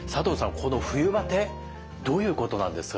この冬バテどういうことなんですか？